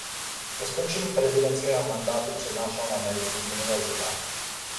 Po skončení prezidentského mandátu přednášel na amerických univerzitách.